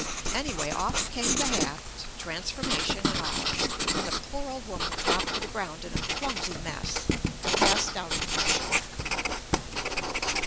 Anyway off came hat, transformation, and all, and the poor old woman dropped to the ground in a clumsy mess and passed out of the picture.